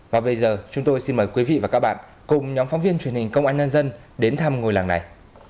và bây giờ chúng tôi xin mời quý vị và các bạn cùng nhóm phóng viên truyền hình công an nhân dân đến thăm ngôi làng này